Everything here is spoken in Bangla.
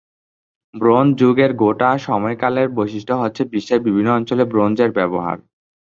ব্রোঞ্জ যুগের গোটা সময়কালের বৈশিষ্ট্য হচ্ছে, বিশ্বের বিভিন্ন অঞ্চলে ব্রোঞ্জের ব্যবহার।